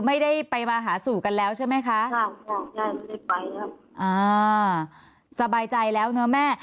ไม่ได้ไปมาหาสู่กันแล้วใช่ไหมคะอ่าสบายใจแล้วเนอะแม่